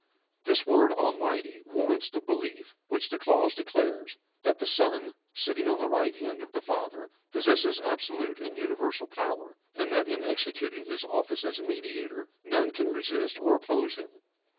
This word "Almighty" warrants the belief which the clause declares, that the Son, sitting on the right hand of the Father, possesses absolute and universal power, and that in executing His office as Mediator none can resist or oppose Him.